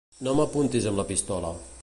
No m'apuntis amb la pistola.